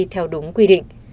theo đúng quy định